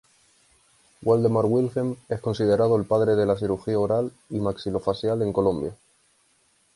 Waldemar Wilhelm es considerado el Padre de la Cirugía Oral y Maxilofacial en Colombia.